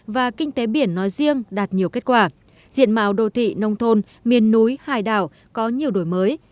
và kinh tế biển nói riêng đạt nhiều kết quả diện màu đô thị nông thôn miền núi hải đảo có nhiều đổi mới